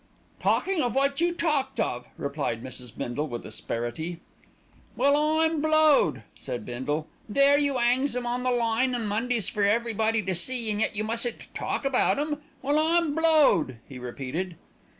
"Talking of what you talked of," replied Mrs. Bindle with asperity. "Well, I'm blowed!" said Bindle. "There you 'angs 'em on the line on Mondays for everybody to see, and yet you mustn't talk about 'em; well, I'm blowed!" he repeated.